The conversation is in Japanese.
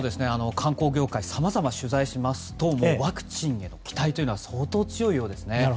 観光業界さまざま取材しますとワクチンへの期待が相当強いようですね。